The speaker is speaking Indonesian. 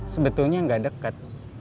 sebetulnya nggak dekat